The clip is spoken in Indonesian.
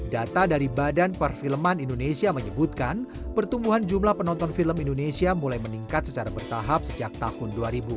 data dari badan perfilman indonesia menyebutkan pertumbuhan jumlah penonton film indonesia mulai meningkat secara bertahap sejak tahun dua ribu